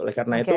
oleh karena itu